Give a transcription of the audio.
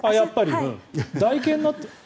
台形になってる？